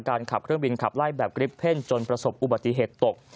ขับเครื่องบินขับไล่แบบกริปเพ่นจนประสบอุบัติเหตุตก